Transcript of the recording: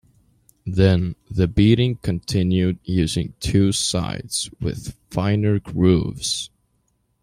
Then, the beating continued using two sides with finer grooves.